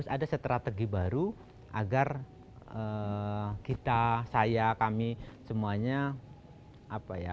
ada strategi baru agar kita saya kami semuanya